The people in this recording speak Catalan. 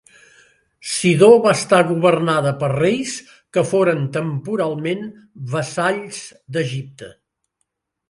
Sidó va estar governada per reis, que foren temporalment vassalls d'Egipte.